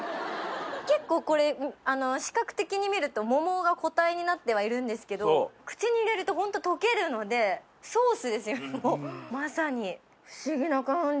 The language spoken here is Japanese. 結構これ視覚的に見ると桃が個体になってはいるんですけど口に入れるとホント溶けるのでソースですよまさに。